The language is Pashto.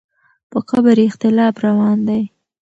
په قبر یې اختلاف روان دی.